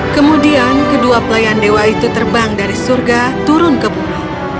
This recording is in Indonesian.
kemudian kedua pelayan dewa itu terbang dari surga turun ke bumi